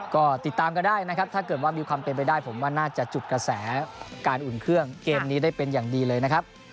ก็ติดตามก็ได้นะครับถ้าเกิดว่ามีความเป็นไปได้ผมว่าน่าจะจุดกระแสการอุ่นเครื่องเกมนี้ได้เป็นอย่างดีเลยนะครับ